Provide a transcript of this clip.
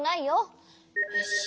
よし。